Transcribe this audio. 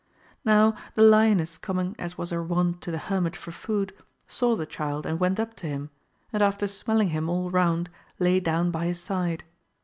Now the lioness coming as was her wont to the hermit for food, saw the child and went up to him, and after smelling him all round lay down by his side.